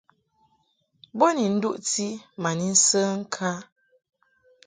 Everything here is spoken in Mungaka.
Bo ni nduʼti ma ni nsə ŋkǎ.